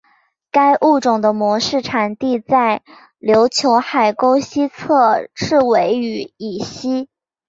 该物种的模式产地在琉球海沟西侧赤尾屿以西。